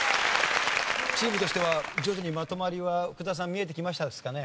チームとしては徐々にまとまりは福田さん見えてきましたですかね？